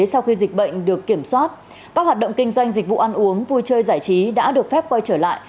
sau khi dịch bệnh được kiểm soát các hoạt động kinh doanh dịch vụ ăn uống vui chơi giải trí đã được phép quay trở lại